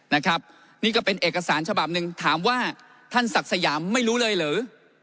นะครับนี่ก็เป็นเอกสารฉบับหนึ่งถามว่าท่านศักดิ์สยามไม่รู้เลยหรือ